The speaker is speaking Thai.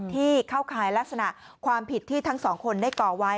ที่เข้าข่ายลักษณะความผิดที่ทั้งสองคนได้ก่อไว้